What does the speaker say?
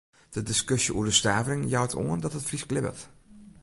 De diskusje oer de stavering jout oan dat it Frysk libbet.